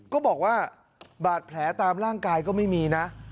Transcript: ก็บอกว่าบาดแผลตามร่างกายก็ไม่มีนะ